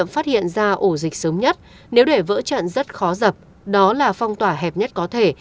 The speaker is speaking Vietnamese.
phát hiện ra ổ dịch sớm nhất nếu để vỡ trận rất khó dập đó là phong tỏa hẹp nhất có thể